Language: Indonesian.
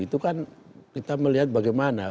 itu kan kita melihat bagaimana